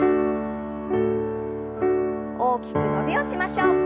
大きく伸びをしましょう。